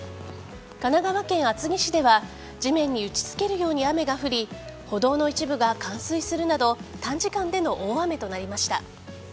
神奈川県厚木市では地面に打ち付けるように雨が降り歩道の一部が冠水するなど短時間での大雨となりました。